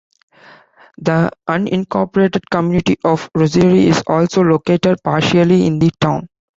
The unincorporated community of Rosiere is also located partially in the town.